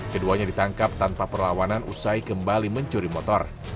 keduanya ditangkap tanpa perlawanan usai kembali mencuri motor